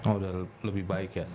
oh udah lebih baik ya